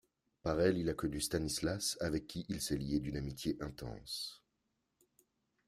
Par elle, il a connu Stanislas, avec qui il s'est lié d'une amitié intense.